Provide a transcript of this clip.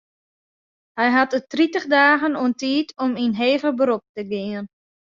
Hy hat it tritich dagen oan tiid om yn heger berop te gean.